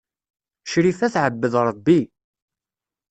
Crifa tɛebbed Ṛebbi.